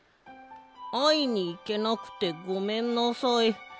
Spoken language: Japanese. あいにいけなくてごめんなさい。